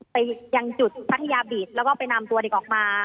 ไปยังจุดพัทยาบีตแล้วก็ไปนำตัวเด็กออกมา